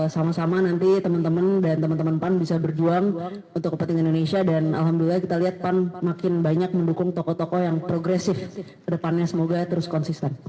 sama sama nanti teman teman dan temen temen